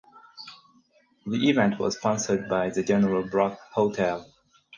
The event was sponsored by the General Brock Hotel.